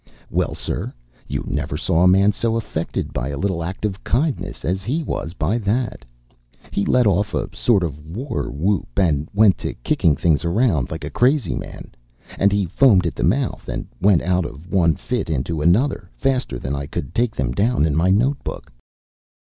Well, sir, you never saw a man so affected by a little act of kindness as he was by that. He let off a sort of war whoop, and went to kicking things around like a crazy man; and he foamed at the mouth and went out of one fit into another faster than I could take them down in my note book....